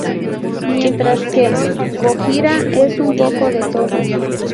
Mientras que Gojira es un poco de todo.